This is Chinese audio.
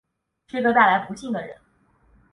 是个带来不幸的人